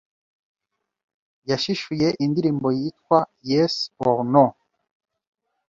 yashishuye indirimbo yitwa Yes or No